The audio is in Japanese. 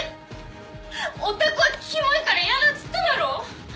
ヲタクはキモいからやだっつっただろ？